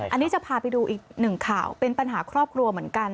อันนี้จะพาไปดูอีกหนึ่งข่าวเป็นปัญหาครอบครัวเหมือนกัน